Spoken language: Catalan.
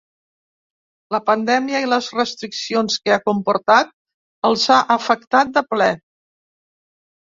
La pandèmia, i les restriccions que ha comportat, els ha afectat de ple.